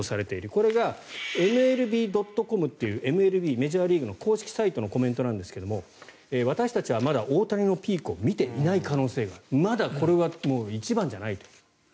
これがＭＬＢ．ｃｏｍっていうＭＬＢ、メジャーリーグの公式サイトのコメントですが私たちはまだ大谷のピークを見ていない可能性があるまだこれは一番じゃないという。